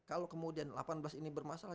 kalau kemudian delapan belas ini bermasalah